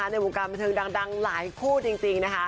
ในวงการบันเทิงดังหลายคู่จริงนะคะ